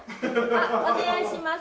あっお願いします。